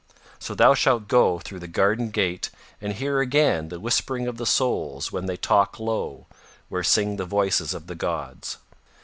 So thou shalt go through the garden gate and hear again the whispering of the souls when they talk low where sing the voices of the gods.